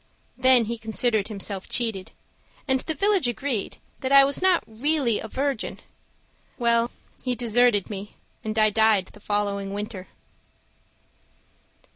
Then he considered himself cheated, And the village agreed that I was not really a virgin. Well, he deserted me, and I died The following winter.